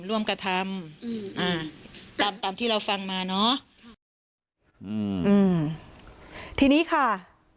ร่วมกระทำอืมอ่าตามตามที่เราฟังมาเนอะค่ะอืมอืมทีนี้ค่ะ